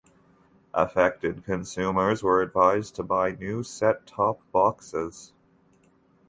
Affected consumers were advised to buy new set-top boxes.